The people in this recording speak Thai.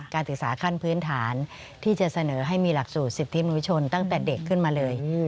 การศึกษาขั้นพื้นฐานที่จะเสนอให้มีหลักสูตรสิทธิมนุชนตั้งแต่เด็กขึ้นมาเลย